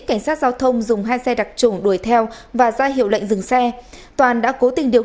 cảnh sát giao thông dùng hai xe đặc trùng đuổi theo và ra hiệu lệnh dừng xe toàn đã cố tình điều